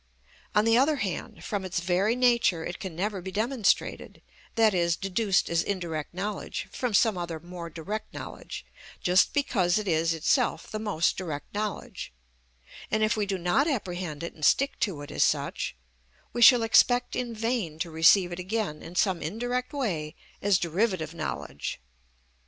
On the other hand, from its very nature it can never be demonstrated, that is, deduced as indirect knowledge from some other more direct knowledge, just because it is itself the most direct knowledge; and if we do not apprehend it and stick to it as such, we shall expect in vain to receive it again in some indirect way as derivative knowledge.